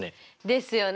ですよね！